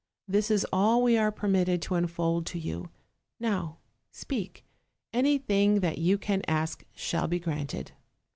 This is all we are permitted to unfold to you. Now speak: anything that you can ask shall be granted.'